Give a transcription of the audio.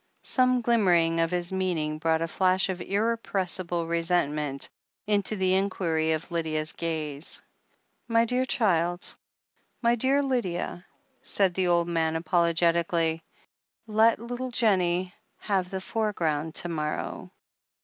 Some glimmering of his meaning brought a flash of irrepressible resentment into the inquiry of Lydia's gaze. "My dear child — ^my dear Lydia," said the old man apologetically, "let little Jennie have the foreground to morrow.